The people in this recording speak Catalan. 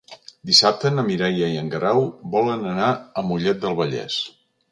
Dissabte na Mireia i en Guerau volen anar a Mollet del Vallès.